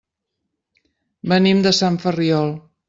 Venim de Sant Ferriol.